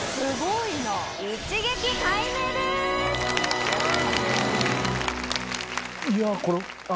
いやこれ。